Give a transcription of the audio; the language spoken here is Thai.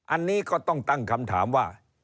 อันนี้ก็ต้องตั้งคำถามว่า